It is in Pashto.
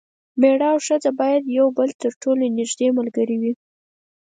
میړه او ښځه باید د یو بل تر ټولو نږدې ملګري وي.